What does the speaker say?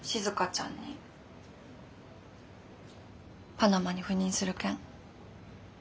パナマに赴任する件。